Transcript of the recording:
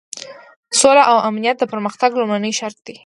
سوله او امنیت د پرمختګ لومړنی شرط دی.